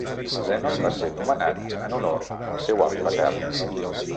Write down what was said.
Zenon va ser nomenat en honor al seu avi patern.